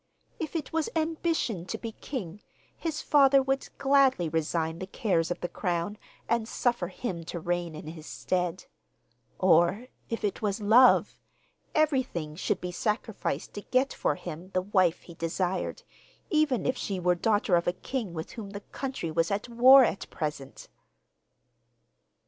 If it was ambition to be king, his father would gladly resign the cares of the crown, and suffer him to reign in his stead; or, if it was love, everything should be sacrificed to get for him the wife he desired, even if she were daughter of a king with whom the country was at war at present!